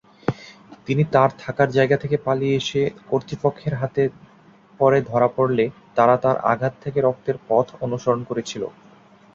তিনি তার থাকার জায়গা থেকে পালিয়ে এসে কর্তৃপক্ষের হাতে পরে ধরা পড়লে তারা তার আঘাত থেকে রক্তের পথ অনুসরণ করেছিল।